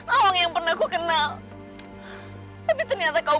hanya ini yang bisa menepus semua dosaku